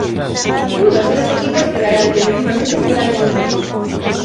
Un dos tres equipos quedará definitivamente fóra de concurso.